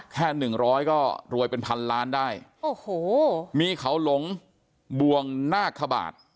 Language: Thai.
หนึ่งร้อยก็รวยเป็นพันล้านได้โอ้โหมีเขาหลงบวงนาคบาท